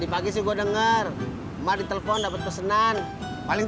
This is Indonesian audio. mas jek bang